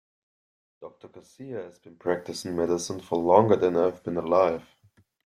Doctor Garcia has been practicing medicine for longer than I have been alive.